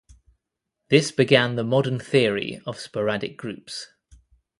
This began the modern theory of sporadic groups.